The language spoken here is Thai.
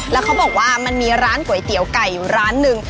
แล้วเขาบอกว่ามันมีร้านก๋วยเตี๋ยวไก่อยู่ร้านหนึ่ง